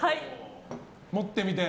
持ってみて。